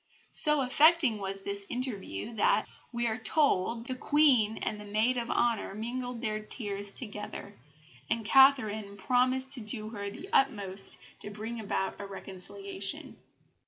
So affecting was this interview that, we are told, the Queen and the maid of honour mingled their tears together, and Catherine promised to do her utmost to bring about a reconciliation.